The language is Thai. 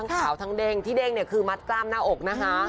ขาวทั้งเด้งที่เด้งเนี่ยคือมัดกล้ามหน้าอกนะคะ